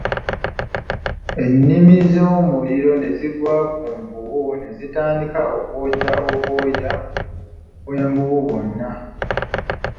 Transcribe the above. Ennimi z'omuliro ne zigwa ku nvubu ne zitandika okwokya obwoya bw'envubu bwonna.